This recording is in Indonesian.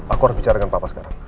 aku harus bicara dengan papa sekarang